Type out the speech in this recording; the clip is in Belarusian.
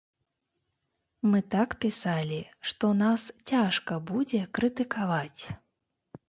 Мы так пісалі, што нас цяжка будзе крытыкаваць.